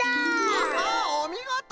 アッハおみごと！